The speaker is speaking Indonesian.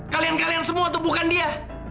kalian kalian semua itu bukan dia